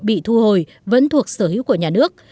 nếu không bị thu hồi vẫn thuộc sở hữu của nhà nước